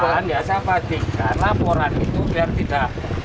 saya pastikan saya pastikan laporan itu biar tidak